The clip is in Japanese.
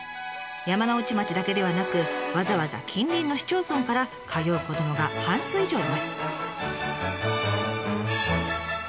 山ノ内町だけではなくわざわざ近隣の市町村から通う子どもが半数以上います。